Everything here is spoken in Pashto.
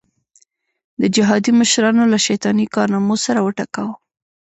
د جهادي مشرانو له شیطاني کارنامو سر وټکاوه.